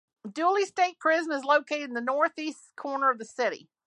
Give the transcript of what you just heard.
Dooly State Prison is located in the northeast corner of the city.